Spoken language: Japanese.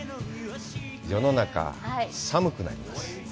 世の中、寒くなります。